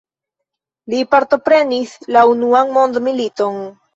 Li partoprenis la unuan mondmiliton.